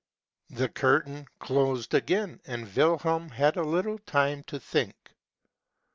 The curtain closed again, and Wilhelm had a little time to think.